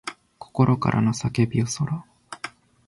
心からの叫びよそら